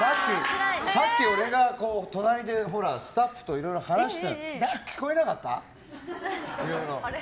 さっき俺が隣でスタッフといろいろ話してたの聞こえなかった？